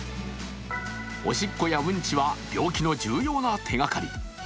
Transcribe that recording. おしっこやうんちは病気の重要な手がかり。